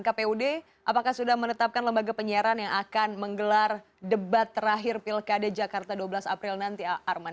kpud apakah sudah menetapkan lembaga penyiaran yang akan menggelar debat terakhir pilkada jakarta dua belas april nanti arman